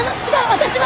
私は。